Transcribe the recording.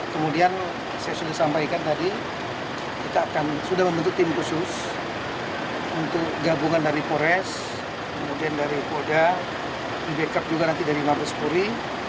kemudian saya sudah sampaikan tadi kita akan sudah membentuk tim khusus untuk gabungan dari pores kemudian dari polda di backup juga nanti dari mabespori